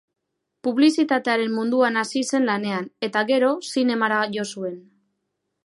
Publizitatearen munduan hasi zen lanean, eta, gero, zinemara jo zuen.